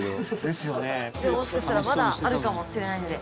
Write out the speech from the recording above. でももしかしたらまだあるかもしれないんで。